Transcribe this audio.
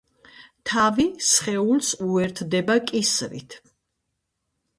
თავი სხეულს უერთდება კისრით.